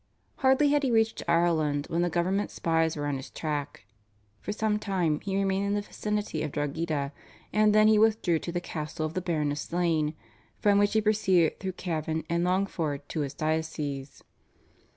Hardly had he reached Ireland when the government spies were on his track. For some time he remained in the vicinity of Drogheda, and then he withdrew to the castle of the Baron of Slane, from which he proceeded through Cavan and Longford to his diocese.